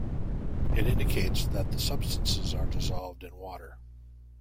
It indicates that the substances are dissolved in water.